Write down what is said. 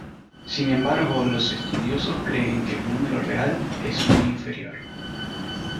Sin embargo los estudiosos creen que el número real es muy inferior.